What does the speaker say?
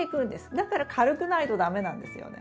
だから軽くないと駄目なんですよね。